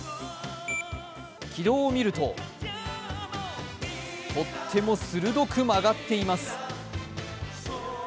軌道を見るととっても鋭く曲がっています。